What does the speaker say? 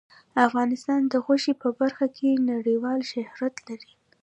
افغانستان د غوښې په برخه کې نړیوال شهرت لري.